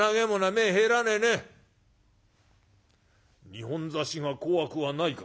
「二本差しが怖くはないか？」。